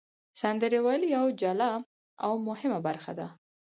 سندرې ویل یوه جلا او مهمه برخه ده.